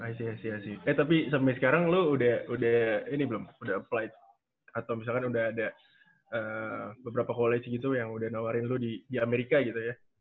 hmm i see i see i see eh tapi sampe sekarang lu udah ini belum udah applied atau misalkan udah ada beberapa college gitu yang udah nawarin lu di amerika gitu ya